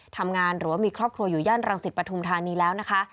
หรือว่ามีครอบครัวอยู่ย่านรังสิตปฐุมธานีแล้วนะคะ